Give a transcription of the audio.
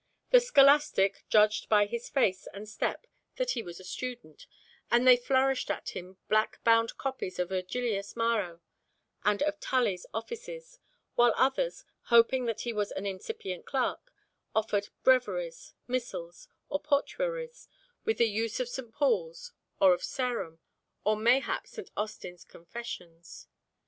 The scholastic judged by his face and step that he was a student, and they flourished at him black bound copies of Virgilius Maro, and of Tully's Offices, while others, hoping that he was an incipient clerk, offered breviaries, missals or portuaries, with the Use of St. Paul's, or of Sarum, or mayhap St. Austin's Confessions.